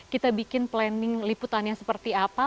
kita bikin planning liputannya seperti apa